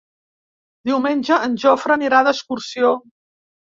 Diumenge en Jofre anirà d'excursió.